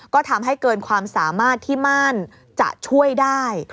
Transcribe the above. ก็ทำให้เกินความสามารถที่ม่านจะช่วยได้